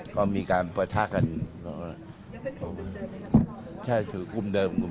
ก็มีการประชากันใช่ถึงกลุ่มเดิม